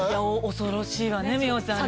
恐ろしいわね美穂さんね